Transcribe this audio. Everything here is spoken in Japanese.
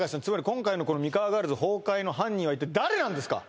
今回のこのミカワガールズ崩壊の犯人は一体誰なんですか？